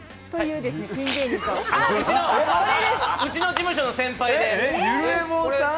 うちの事務所の先輩で。